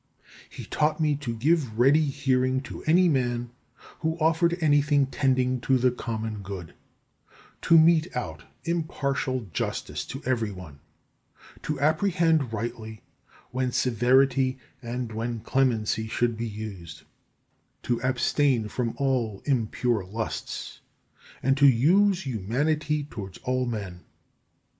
He taught me to give ready hearing to any man who offered anything tending to the common good; to mete out impartial justice to every one; to apprehend rightly when severity and when clemency should be used; to abstain from all impure lusts; and to use humanity towards all men.